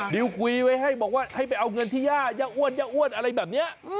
ดิวคุยไว้ให้บอกว่าให้ไปเอาเงินที่ย่าย่าอ้วนย่าอ้วนอะไรแบบนี้